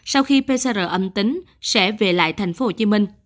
sau khi pcr âm tính sẽ về lại tp hcm